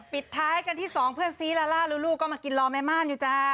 ปิดท้ายกันที่สองเพื่อนซีลาล่าลูลูก็มากินรอแม่ม่านอยู่จ้า